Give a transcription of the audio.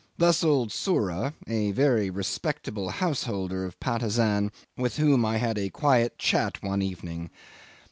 Thus old Sura a very respectable householder of Patusan with whom I had a quiet chat one evening.